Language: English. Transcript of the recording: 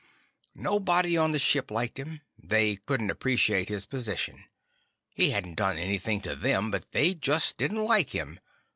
Nobody on the ship liked him; they couldn't appreciate his position. He hadn't done anything to them, but they just didn't like him.